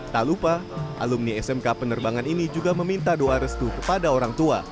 tak lupa alumni smk penerbangan ini juga meminta doa restu kepada orang tua